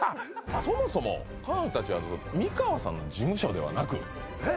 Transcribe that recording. そもそも彼女たちは美川さんの事務所ではなくえっ？